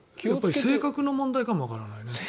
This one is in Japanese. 性格の問題かもわからないね。